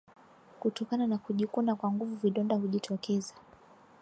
Kutokana na kujikuna kwa nguvu vidonda hujitokeza